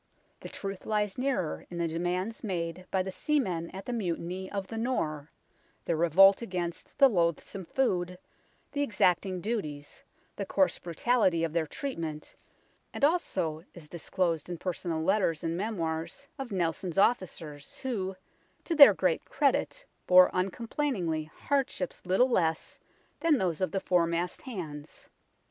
The truth lies nearer in the demands made by the seamen at the Mutiny of the Nore, their revolt against the loathsome food, the exacting duties, the coarse brutality of their treatment, and also is disclosed in personal letters and memoirs of Nelson's officers, who, to their great credit, bore uncomplainingly hardships little less than those of the foremast hands.